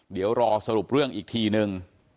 เดี๋ยวรอสรุปเรื่องอีกทีนึง